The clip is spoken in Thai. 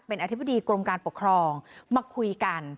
เป็นอธิบดีกรมการปกครองมาคุยกัน